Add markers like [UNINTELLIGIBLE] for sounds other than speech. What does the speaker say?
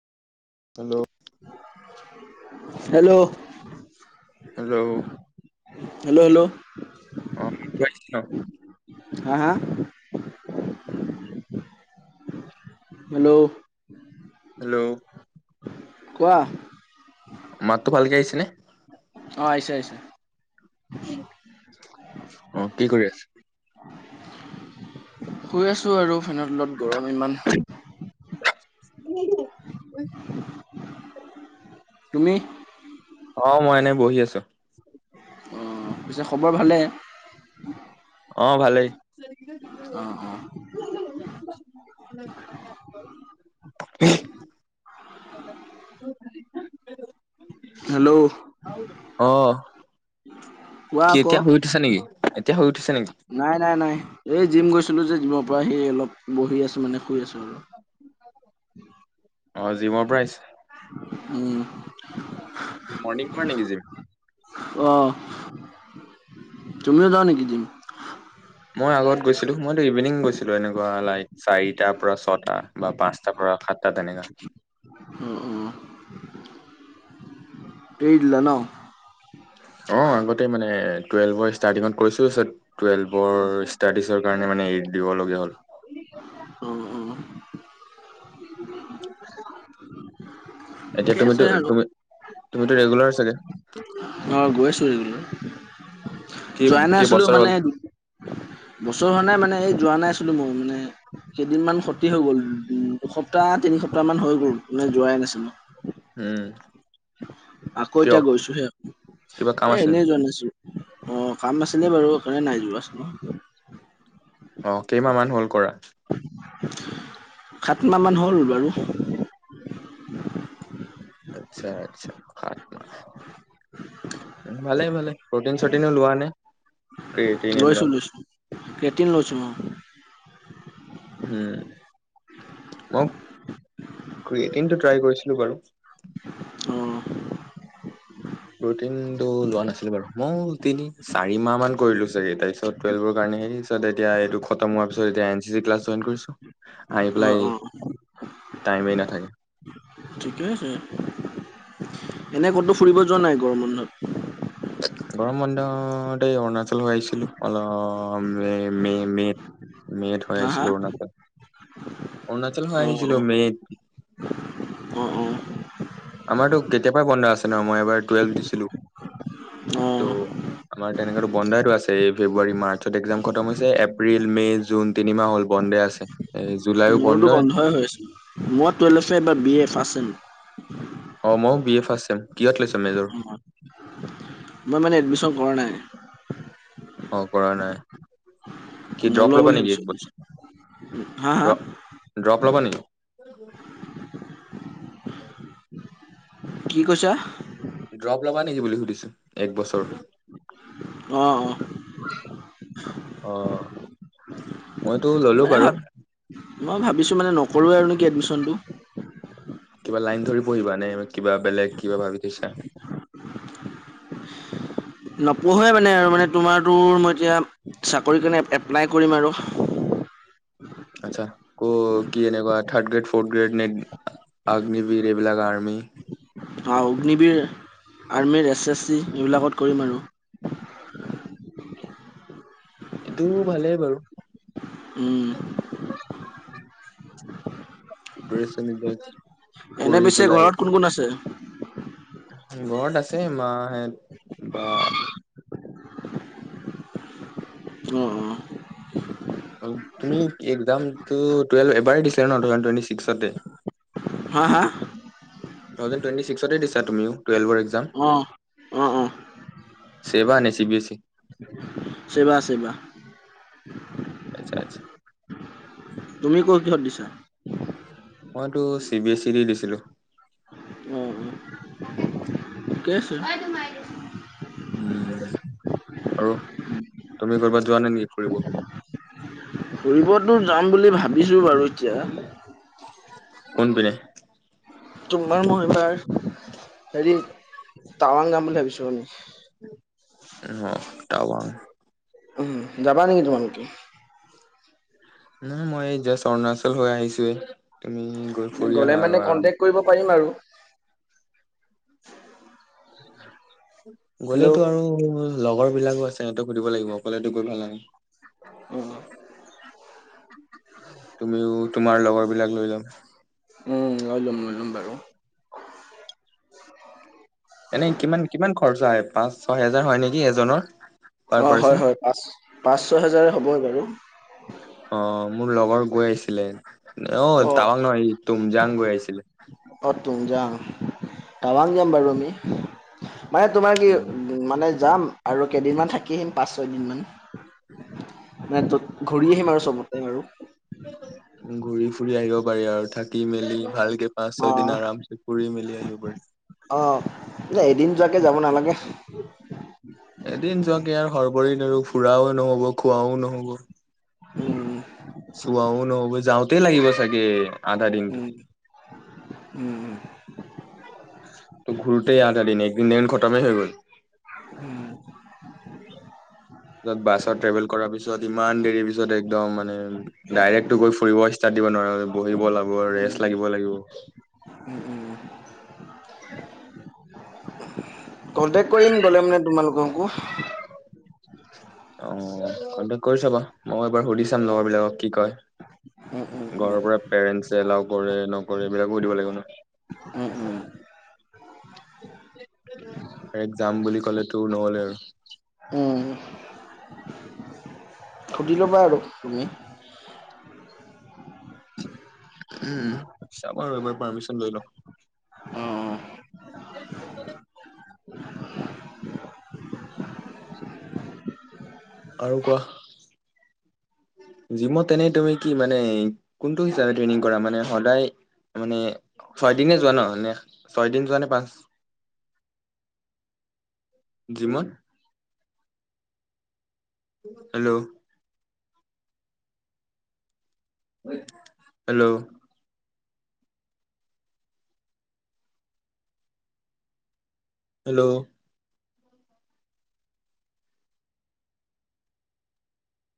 Hello? Hello? Hello? Hello, hello? অ' ইটো আহিল ন? হা, হা? হেল্ল? হেল্ল'? কোৱাঁ। মাততো ভালকে আহিছে নে? অ' আহিছে আহিছে। অ' কি কৰি আছে? শুই আছোঁ আৰু ফেনৰ তলত গৰম ইমান। [UNINTELLIGIBLE] তুমি। অ' মই এনে বহি আছে। অ' পিছে খবৰ ভালে? অ ভালেই। অঁ অঁ। [UNINTELLIGIBLE] [INAUDIBLE] হেল্ল'? অ। কোৱা কি আকৌ এতিয়া শুই উঠিছা নেকি? এতিয়া শুই উঠিছা নেকি? নাই নাই নাই, এই জিম গৈছিলোঁ যে জিমৰ পৰা আহি অলপ বহি আছো মানে শুই আছো আৰু। অ জিমৰ পৰা আহিছে। উম। মৰ্নিং কৰা নেকি জিম? অ, তুমিও যোৱা নেকি জিম? মই আগত গৈছিলোঁ, মইতো ইভিনিং গৈছিলোঁ এনেকুৱা লাইক চাৰিটাৰ পৰা ছটা বা পাঁচটা পৰা সাতটা তেনেকা। উম উম। এৰি দিলা ন? অ আগতেই মানে টুৱেল্ভৰ ষ্টাৰ্টিঙত কৰিছিলোঁ চ টুৱেল্ভৰ ষ্টাডিছৰ কাৰণে মানে এৰি দিবলগীয়া হ'ল। উম উম। এতিয়া ঠিকে আছে তুমিটো আৰু তুমি তুমিটো ৰেগুলাৰ চাগে? অ গৈছিলো [UNINTELLIGIBLE] কেই যোৱাই নাই আছিলো কেইবছৰ হ'ল মানে বছৰ হোৱা নাই মানে এই যোৱা নাই আছিলো বহু দিনে, কেইদিনমান ক্ষতি হৈ গ'ল। উম, দুসপ্তাহ, তিনি সপ্তাহমান হৈ গ'ল মানে যোৱাই নাছিলোঁ। উম। আকৌ কিয়? এতিয়া গৈছোহে, কিবা কাম এ আছে এনেই নেকি? যোৱা নাছিলোঁ। অ কাম নাছিলে বাৰু সেইকাৰণে নাই যোৱা। অ কেইমাহ মান হ'ল কৰা? সাত মাহমান হ'ল বাৰু। আচ্ছা আচ্ছা সাত মাহ। ভালেই ভালেই, প্ৰটিন - চটিনো লোৱা নে? ক্ৰিয়েটিন লৈছো এইবিলাক লৈছো, ক্ৰেটিন লৈছোঁ উম। উম, মই ক্ৰেটিনটো ট্ৰাই কৰিছিলো বাৰু। অ। প্ৰটিনটো লোৱা নাছিলো বাৰু মই তিনি, চাৰি মাহমান কৰিলো চাগে তাৰপিছত টোৱেলভৰ কাৰণে এই [UNINTELLIGIBLE] এতিয়া এইটো খটম হোৱাৰ পিছত এতিয়া N C C class join কৰিছোঁ। হুম উম। টাইমে নাথাকে। [INAUDIBLE] ঠিকে আছে, এনে ক'তো ফুৰিব যোৱা নাই গৰম বন্ধত? গৰম বন্ধতে অৰুণাচল হৈ আহিছিলো, অল মে মে মে মে'ত হৈ হা হা আহিছিলো অৰুণাচল, অৰুণাচল হৈ অ আহিছিলো অ মে'ত। অ অ আমাৰতো কেতিয়া পৰাই বন্ধ আছে ন মই এইবাৰ টুৱেলভ দিছিলো। অ। ত' আমাৰ তেনেকেতো বন্ধাইটো আছে এই ফেব্ৰুৱাৰী, মাৰ্চত এক্সাম খতম হৈছে এপ্ৰিল, মে জুন তিনিমাহ হ'ল বন্ধে আছে। এ জুলাই মোৰতো বন্ধই হৈ আছে, মই [UNINTELLIGIBLE] এইবাৰ বি এ ফাৰ্ষ্ট ছেম। অ ময়ো বি এ ফাৰ্ষ্ট ছেম, কিহত লৈছা মেজৰ? মই মানে এডমিশ্যন কৰা নাই। অ কৰা নাই। কি ড্ৰপ নলওঁ লবা বুলি নেকি ভাবিছো। একবছৰ, হা হা ড্ৰপ- ড্ৰপ লবা নি? কি কৈছা? ড্ৰপ লবা নিকি বুলি সুধিছো, এক বছৰ। অঁ অঁ'। অ, মইতো ল'লো মানে ভাব বাৰু। মই ভাবিছোঁ মানে, নকৰোঁ আৰু নেকি এডমি্শনটো। কিবা লাইন ধৰি পঢ়িবা নে, এ কিবা বেলেগ কিবা ভাবি থৈছা? নপঢ়োৱে মানে আৰু, মানে তোমাৰতো মই এতিয়া চাকৰি কাৰণে এপ্লাই কৰিম আৰু। আৎচ্ছা, ক' কি এনেকুৱা থাৰ্ড গ্ৰেড, ফৰ্ গ্ৰেড, নে ক অগ্নিবীৰ নে কি এইবিলাক আৰ্মি। অ অগ্নিবীৰ, আৰ্মিৰ, এছ এছ চি এইবিলাকত কৰিম আৰু। এইটো ভালেই বাৰু। উম' [UNINTELLIGIBLE] এনেই কৰি পিছে পেলাই ঘৰত কোন কোন আছে? ঘৰত আছে মাহেঁত বা। উম' উম' তুমি এক্সামটো টুৱেলভ এবাৰ দিছিলা ন' টু থাউজেণ্ড টুৱেণ্টি ছিক্সতে। হাঁ হাঁ। টু থাওজেণ্ড টুৱেটি ছিক্সতে দিছা তুমিও টুৱেলভৰ এক্সাম? অঁ অঁ অঁ চেবা নে C B S E? SEBA, SEBA. আৎচ্ছা আৎচ্ছা। তুমি ক' কিহত দিছা? মইতো চি বি এছ ই তে দিছিলোঁ। অঁ অঁ। ঠিকে আছে। উম' আৰু, তুমি কৰ'বাত যোৱা নাই নিকি ফুৰিব? ফুৰিবতো যাম বুলি ভাবিছোঁ বাৰু এতিয়া। কোনপিনে? তোমাৰ মই এইবাৰ হেৰি, টাৱাং যাম বুলি ভাবিছোঁ আমি। উম অঁ, তাৱাং। উম' যাবা নেকি তোমালোকে? উম' মই এই জাষ্ট অৰুণাচল হৈ আহিছোৱে। তুমি- গৈ মানে ফুৰি গ'লে আহা আৰু মেনে আৰাম কনটেক্ট কৰিব পাৰিম আৰু। হেল্ল' গ'লেতো আৰু- লগৰ বিলাকো আছে সিহঁতক সুধিব লাগিব। অকলেতো গৈ ভাল নালাগে। অঁ' তুমিও তোমাৰ লগৰ বিলাক লৈ যাম। উম' লৈ লম লৈ লম বাৰু। এনেই কিমান কিমান খৰচা হয়, পাঁচ ছয় হেজাৰ হয় নেকি এজনৰ? পাৰ অঁ' হয় পাৰ্চন হয়, পাঁচ পাঁচ, ছয় হেজাৰে হ'বই বাৰু। অঁ' মোৰ লগৰ গৈ আহিছিলে। অঁ, অ', তাৱাং নহয়, তুমজাং গৈ আহিছিলে। অ তুমজাং, টাৱাং যাম বাৰু আমি। মানে তোমাৰ কি? উম মানে যাম আৰু কেইদিনমান থাকি আহিম পাঁচ ছয়দিনমান। নাই তত ঘূৰি আহিম আৰু চবতে আৰু। ঘূৰি ফুৰি আহিব পাৰি আৰু থাক থাকি মেলি ভালকে পাঁচ ছয় দিন অ', আৰামছে ফুৰি মেলি আহিব পাৰি অ, এ এদিন যোৱাকে যাব নালাগে। এদিন যোৱাকে আৰু হৰবৰীত আৰু ফুৰাও ন'হব খোৱাও ন'হব উম, চোৱও নহব যাওঁতেই লাগিব চাগে আধা দিনটো উম উম উম ঘূৰোতেই আধা দিন একদিন দেখোন খটমে হৈ গ'ল উম ত বাছত ট্ৰেভেল কৰাৰ পিছত ইমান দেৰি পিছত একদম মানে ডাইৰেক্টটো গৈ ফুৰিব ষ্টাৰ্ট দিব নোৱাৰ বহিব লাগিব ৰেষ্ট লাগিব লাগিব উম উম কন্টেক্ কৰিম গলে মানে তোমালোককো অ কন্টেক কৰি চাবা মই এবাৰ সুধি চাম লগৰ বিলাকক কি কয় উম, উম, ঘৰৰ উম, পৰা পেৰেণ্টচ এলাও কৰে নকৰে এইবিলাকো সুধিব লাগিব ন উম উম এ যাম বুলি ক'লে তোৰ নহলে হয় উম সুধি ল'বা আৰু তুমি উম চাম আৰু এবাৰ পাৰ্মিশন লৈ লওঁ অ'। [UNINTELLIGIBLE] আৰু কোৱা জিমত তেনেই তুমি কি মানে কোনটো হিচাপে ট্ৰেইনিং কৰা মানে সদায় মানে ছয় দিনে যোৱা ন নে ছয় দিন যোৱা নে পাঁচ জিমত হেল্ল' হেল্ল' হেল্ল'